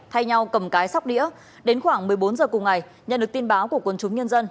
thay nhau cầm cái sóc đĩa đến khoảng một mươi bốn h cùng ngày nhận được tin báo của quân chúng nhân dân